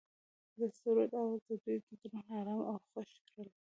د سرود اواز د دوی زړونه ارامه او خوښ کړل.